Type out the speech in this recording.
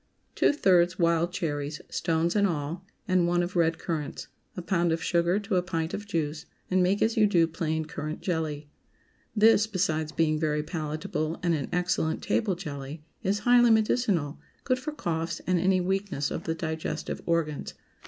✠ Two thirds wild cherries (stones and all) and one of red currants. A pound of sugar to a pint of juice, and make as you do plain currant jelly. This, besides being very palatable and an excellent table jelly, is highly medicinal, good for coughs and any weakness of the digestive organs.